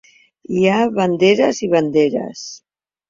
Hi ha banderes i banderes.